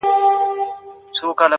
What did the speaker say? د وخت پاچا زما اته ي دي غلا كړي ـ